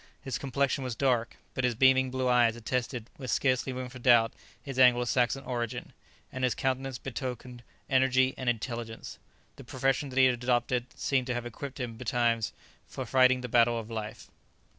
His complexion was dark, but his beaming blue eyes attested, with scarcely room for doubt, his Anglo Saxon origin, and his countenance betokened energy and intelligence. The profession that he had adopted seemed to have equipped him betimes for fighting the battle of life.